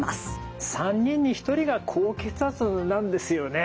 ３人に１人が高血圧なんですよね。